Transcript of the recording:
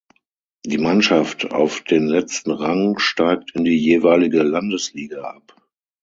Die Mannschaft auf den letzten Rang steigt in die jeweilige Landesliga ab.